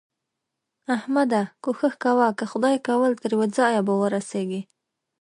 احمده! کوښښ کوه؛ که خدای کول تر يوه ځايه به ورسېږې.